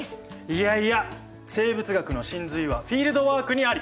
いやいや生物学の神髄はフィールドワークにあり！